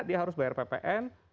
dia harus bayar ppn